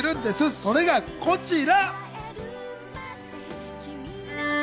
それがこちら！